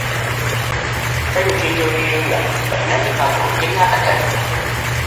Ffe lutindo oluyunga bannamikago eri akatale.